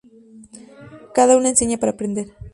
Cada uno enseña para aprender.